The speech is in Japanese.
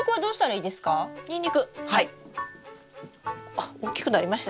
あっ大きくなりましたね。